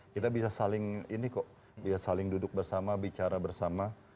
kita bisa saling ini kok bisa saling duduk bersama bicara bersama